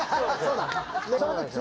そうだね。